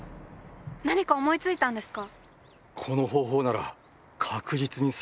何か思い付いたんですか？